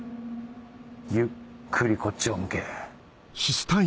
ゆっくりこっちを向け。